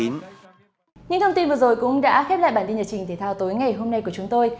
những thông tin vừa rồi cũng đã khép lại bản tin nhật trình thể thao tối ngày hôm nay của chúng tôi